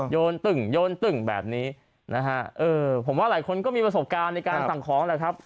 โยนตึ่งโยนตึ่งแบบนี้นะฮะเออผมว่าหลายคนก็มีประสบการณ์ในการสั่งของแหละครับ